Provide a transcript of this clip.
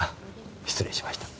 失礼しました。